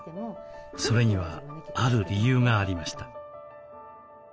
それにはある理由がありました。